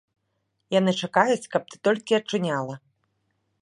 Яны чакаюць, каб ты толькі ачуняла.